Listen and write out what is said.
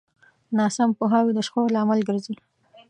ناسم پوهاوی د شخړو لامل ګرځي.